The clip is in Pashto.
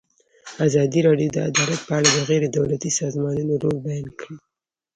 ازادي راډیو د عدالت په اړه د غیر دولتي سازمانونو رول بیان کړی.